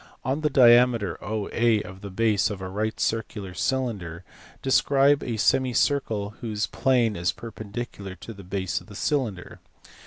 On the diameter OA of the base of a right circular cylinder describe a semicircle whose plane is perpen dicular to the base of the cylinder.